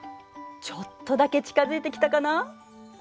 ちょっとだけ近づいてきたかな。